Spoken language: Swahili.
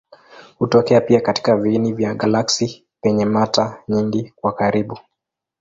Hutokea pia katika viini vya galaksi penye mata nyingi kwa karibu.